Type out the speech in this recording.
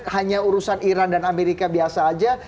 hanya urusan iran dan amerika biasa aja